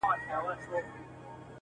په کاشان کي به مي څه ښه په نصیب سي!!